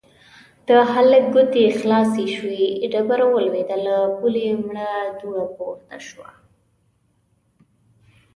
د هلک ګوتې خلاصې شوې، ډبره ولوېده، له پولې مړه دوړه پورته شوه.